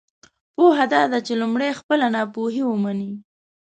پوهه دا ده چې لمړی خپله ناپوهۍ ومنی!